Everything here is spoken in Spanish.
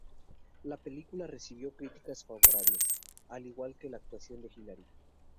La película recibió críticas favorables, al igual que la actuación de Hilary.